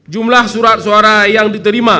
jumlah surat suara yang diterima